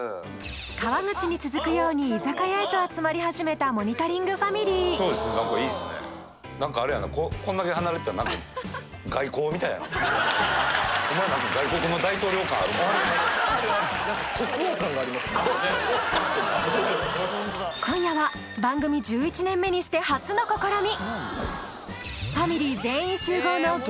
川口に続くように居酒屋へと集まり始めたモニタリングファミリー今夜は番組１１年目にして初の試み！